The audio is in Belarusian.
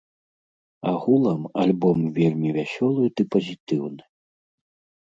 Агулам альбом вельмі вясёлы ды пазітыўны.